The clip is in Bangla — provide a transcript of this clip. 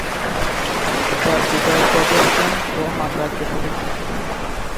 তার পিতা প্রটেস্ট্যান্ট ও মাতা ক্যাথলিক ছিলেন।